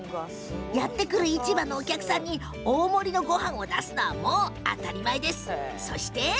やって来る市場のお客さんに大盛りのごはんを出すのはもう当たり前。